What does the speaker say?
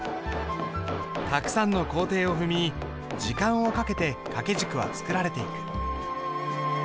たくさんの工程を踏み時間をかけて掛軸は作られていく。